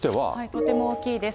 とても大きいです。